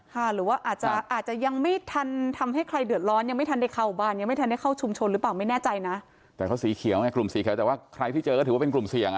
ค่ะหรือว่าอาจจะยังไม่ทันทำให้ใครเดือดร้อน